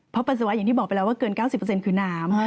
เพราะปัสสาวะอย่างที่บอกไปแล้วว่าเกิน๙๐คือน้ำ